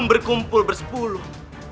dan berkumpul bersepuluh